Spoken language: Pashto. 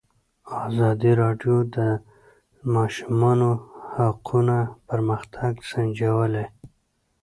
ازادي راډیو د د ماشومانو حقونه پرمختګ سنجولی.